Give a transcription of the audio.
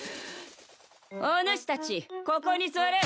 おぬしたちここに座れ。